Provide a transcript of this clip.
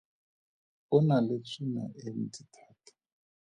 O na le tswina e ntsi thata.